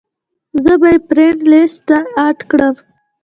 زۀ به ئې فرېنډ لسټ ته اېډ کړم -